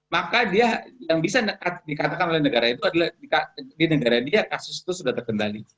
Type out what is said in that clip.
maka dia yang bisa dikatakan oleh negara itu adalah di negara dia kasus itu sudah terkendali